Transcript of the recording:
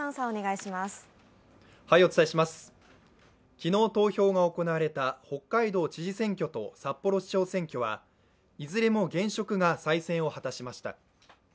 昨日、投票が行われた北海道知事選挙と札幌市長選挙はいずれも現職が再選を果たしました。